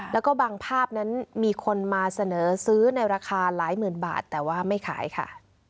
แล้วก็บางภาพนั้นมีคนมาเสนอซื้อในราคาหลายหมื่นบาทแต่ว่าไม่ขายค่ะ